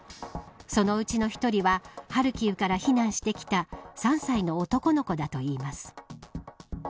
そのうちの１人はハルキウから避難してきた３歳の男の子だといいます。